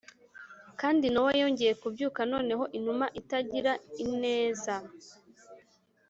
kandi nowa yongeye kubyuka noneho inuma itagira ineza